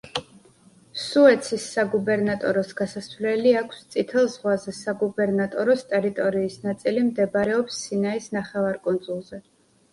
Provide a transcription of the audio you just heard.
სუეცის საგუბერნატოროს გასასვლელი აქვს წითელ ზღვაზე, საგუბერნატოროს ტერიტორიის ნაწილი მდებარეობს სინაის ნახევარკუნძულზე.